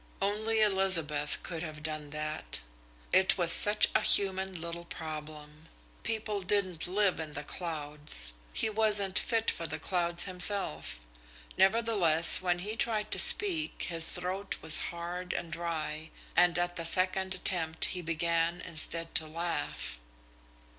Only Elizabeth could have done that. It was such a human little problem. People didn't live in the clouds. He wasn't fit for the clouds himself. Nevertheless, when he tried to speak his throat was hard and dry, and at the second attempt he began instead to laugh.